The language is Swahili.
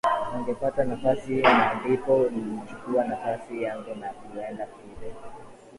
wangepata nafasi na ndipo nilichukua nafasi yangu na kwenda kule